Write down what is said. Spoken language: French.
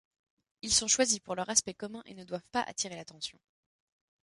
Ils sont choisis pour leur aspect commun et ne doivent pas attirer l'attention.